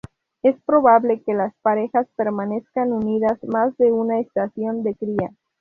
Es probable que las parejas permanezcan unidas más de una estación de cría.